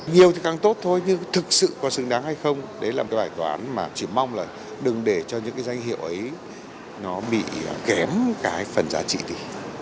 nhiều thì càng tốt thôi nhưng thực sự có xứng đáng hay không đấy là một cái bài toán mà chỉ mong là đừng để cho những cái danh hiệu ấy nó bị kém cái phần giá trị đi